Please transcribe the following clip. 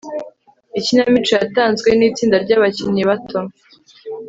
ikinamico yatanzwe nitsinda ryabakinnyi bato